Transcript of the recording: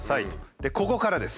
でここからです。